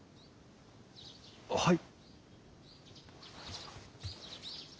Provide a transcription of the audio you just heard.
はい。